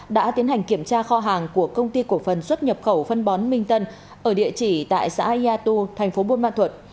đã tiến hành kiểm tra kho hàng của công ty cổ phân xuất nhập khẩu phân bón minh tân ở địa chỉ tại xã yatu tp buôn ma thuật